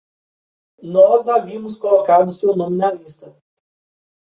Nós havíamos colocado seu nome na lista.